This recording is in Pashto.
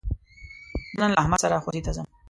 زه نن له احمد سره ښوونځي ته ځم.